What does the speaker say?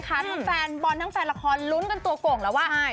ทั้งแฟนบอลทั้งแฟนละครลุ้นกันตัวโก่งแล้วว่า